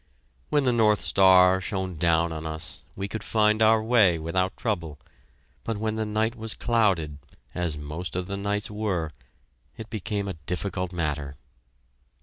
When the North Star shone down on us, we could find our way without trouble, but when the night was clouded, as most of the nights were, it became a difficult matter.